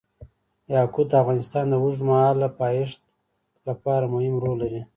یاقوت د افغانستان د اوږدمهاله پایښت لپاره مهم رول لري.